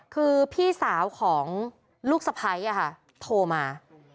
คือพี่สาวของลูกสะพ้ายโทรมา